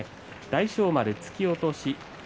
大翔丸、突き落とし。